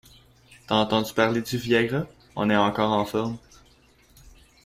T’as entendu parler du Viagra ? On est encore en forme